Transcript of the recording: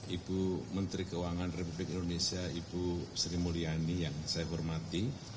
ibu menteri keuangan republik indonesia ibu sri mulyani yang saya hormati